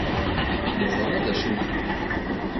Neẓṛa dacu i nxeddem.